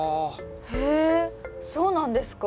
へえそうなんですか。